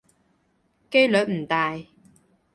機率唔大